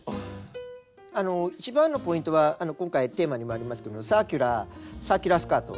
あの一番のポイントは今回テーマにもありますけどサーキュラーサーキュラースカート。